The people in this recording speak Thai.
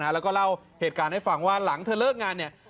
แล้วก็เล่าเหตุการณ์ให้ฟังว่าหลังเธอเลิกงานเนี่ย